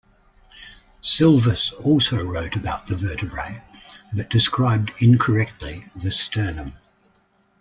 Sylvus also wrote about the vertebrae, but described incorrecty the sternum.